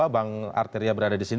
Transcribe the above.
bang arteria berada disini